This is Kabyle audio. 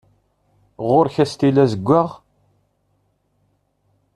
Ɣur-k astilu azeggaɣ?